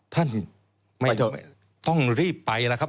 ท่านต้องรีบไปนะครับ